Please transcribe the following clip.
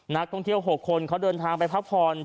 นักท่องเที่ยว๖คนเขาเดินทางไปพักผ่อน